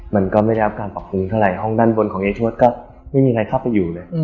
มันก็ไม่ได้รับการปรับปรุงเท่าไหห้องด้านบนของยายชวดก็ไม่มีใครเข้าไปอยู่เลย